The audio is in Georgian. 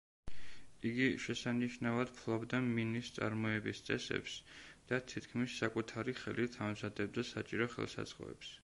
იგი შესანიშნავად ფლობდა მინის წარმოების წესებს და თითქმის საკუთარი ხელით ამზადებდა საჭირო ხელსაწყოებს.